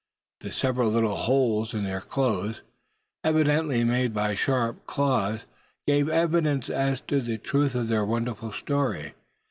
The several little holes in their clothes, evidently made by sharp claws, gave evidence as to the truth of their wonderful story.